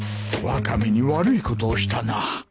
ワカメに悪いことをしたな